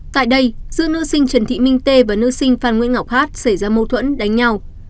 tại đây giữa nữ sinh trần thị minh tê và nữ sinh phan nguyễn ngọc hát xảy ra mâu thuẫn đánh nhau